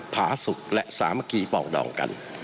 ภาษุและสามัคคีเหมาะดองกัน